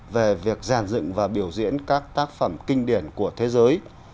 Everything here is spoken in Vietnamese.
về việc giàn dựng và biểu diễn các tác phẩm kinh điển của thế giới